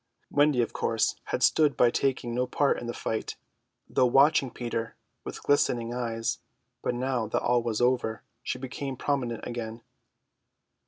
Wendy, of course, had stood by taking no part in the fight, though watching Peter with glistening eyes; but now that all was over she became prominent again.